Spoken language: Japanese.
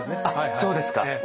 あっそうですか。